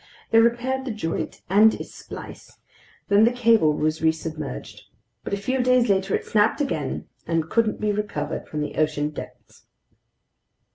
They repaired the joint and its splice; then the cable was resubmerged. But a few days later it snapped again and couldn't be recovered from the ocean depths.